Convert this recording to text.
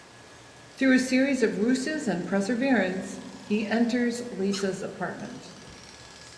Through a series of ruses and perseverance, he enters Lisa's apartment.